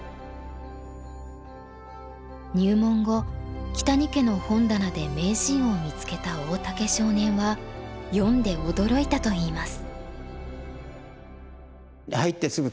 入門後木谷家の本棚で「名人」を見つけた大竹少年は読んで驚いたといいます。